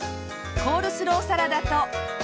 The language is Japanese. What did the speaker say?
コールスローサラダと。